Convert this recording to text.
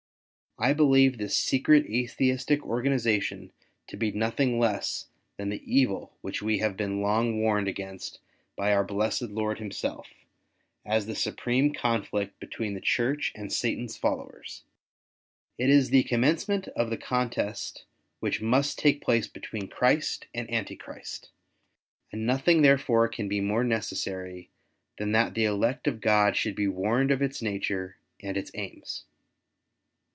I ])elieve this secret Atheistic organization to be nothing less than the evil which we have been long warned against by Our Blessed Lord Himself, as the supreme conflict between the Church and Satan's followers. It is the commencement of the contest which must take place between Christ and Antichrist ; and nothing there fore can be more necessary than that the elect of God should be warned of its nature and its aims.